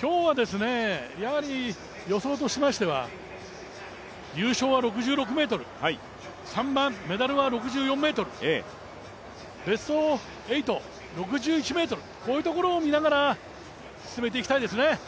今日は予想としましては優勝は６６ｍ、メダルは６６ｍ、ベスト８、６１ｍ、こういうところを見ながら進めていきたいですね。